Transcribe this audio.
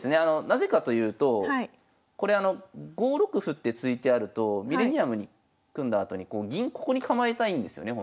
なぜかというとこれ５六歩って突いてあるとミレニアムに組んだあとに銀ここに構えたいんですよね